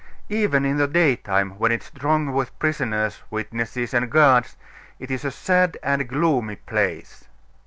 Even in the daytime, when it is thronged with prisoners, witnesses, and guards, it is a sad and gloomy place.